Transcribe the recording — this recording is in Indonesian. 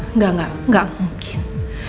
enggak enggak enggak mungkin